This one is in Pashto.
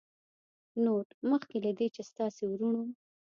نوټ: مخکې له دې چې ستاسې وروڼو